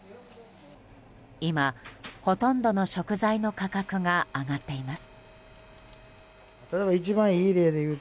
今、ほとんどの食材の価格が上がっています。